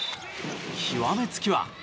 極めつきは。